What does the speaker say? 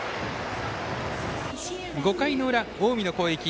５回の裏、近江の攻撃。